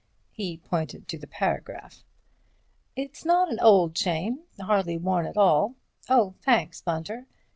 He pointed to the paragraph. "It's not an old chain—hardly worn at all. Oh, thanks, Bunter.